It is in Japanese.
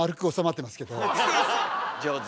上手。